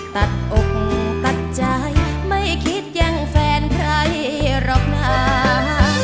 ตัดอกตัดใจไม่คิดแย่งแฟนใครหรอกนะ